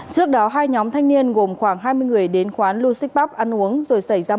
trước đó hai nhóm thanh niên gồm khoảng hai mươi người đến quán lusik pub ăn uống